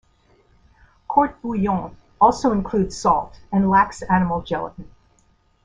Court bouillon also includes salt and lacks animal gelatin.